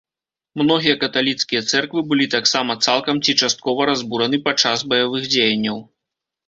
Многія каталіцкія цэрквы былі таксама цалкам ці часткова разбураны падчас баявых дзеянняў.